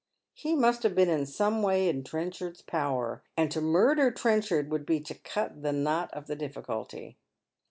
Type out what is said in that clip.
He must have been in some way in Trenchard'a power. And to murder Trencliard would be to cut the knot of the dif&culty.